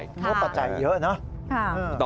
มีโทษประจ่ายเยอะหรอ